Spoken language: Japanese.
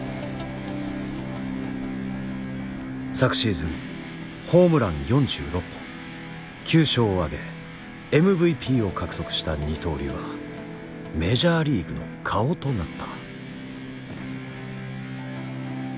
昨シーズンホームラン４６本９勝をあげＭＶＰを獲得した二刀流はメジャーリーグの顔となった。